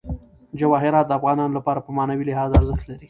جواهرات د افغانانو لپاره په معنوي لحاظ ارزښت لري.